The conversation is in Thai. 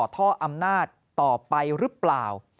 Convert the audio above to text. ท่ออำนาจต่อไปหรือเปล่า